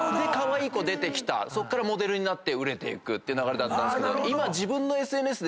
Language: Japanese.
そっからモデルになって売れてくていう流れだったけど。